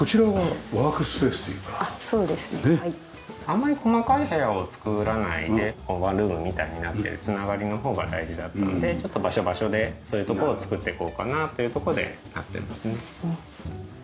あんまり細かい部屋を作らないでワンルームみたいになってる繋がりの方が大事だったのでちょっと場所場所でそういう所を作っていこうかなというとこでなってますね。